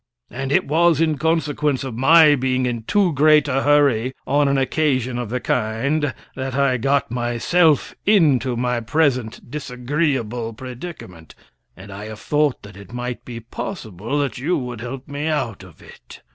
And it was in consequence of my being in too great a hurry on an occasion of the kind that I got myself into my present disagreeable predicament, and I have thought that it might be possible that you would help me out of it.